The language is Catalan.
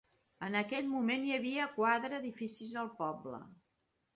En aquell moment hi havia quadre edificis al poble.